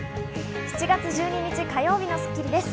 ７月１２日、火曜日の『スッキリ』です。